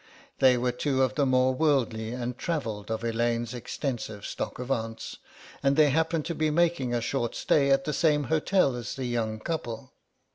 They were two of the more worldly and travelled of Elaine's extensive stock of aunts, and they happened to be making a short stay at the same hotel as the young couple.